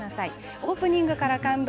オープニングから感動。